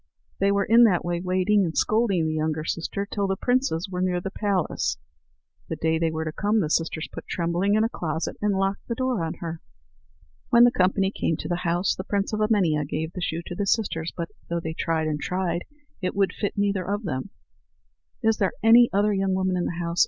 They were that way waiting, and scolding the younger sister, till the princes were near the place. The day they were to come, the sisters put Trembling in a closet, and locked the door on her. When the company came to the house, the prince of Emania gave the shoe to the sisters. But though they tried and tried, it would fit neither of them. "Is there any other young woman in the house?"